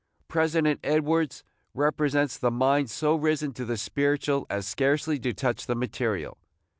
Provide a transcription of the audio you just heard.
President Edwards represents the mind so risen to the spiritual as scarcely to touch the material.